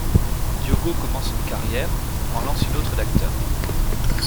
Diogo commence une carrière en lance une autre d’acteur.